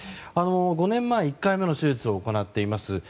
５年前に１回目の手術を行っています。